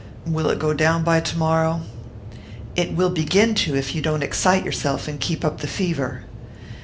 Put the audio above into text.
"Will it go down by to morrow?" "It will begin to, if you don't excite yourself and keep up the fever."